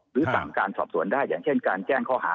หรือสั่งการสอบสวนได้อย่างเช่นการแจ้งข้อหา